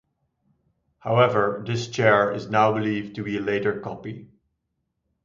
However, this chair is now believed to be a later copy.